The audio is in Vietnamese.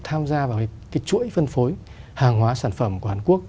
tham gia vào cái chuỗi phân phối hàng hóa sản phẩm của hàn quốc